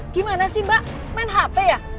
gimana sih mbak main hp ya